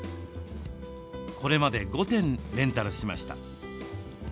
これまで５点、レンタルしました。